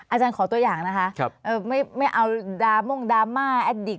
อาจารย์ขอตัวอย่างนะคะไม่เอาดราม่งดราม่าแอดดิก